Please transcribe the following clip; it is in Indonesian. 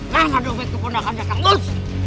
mana dompet itu kondak anda kagus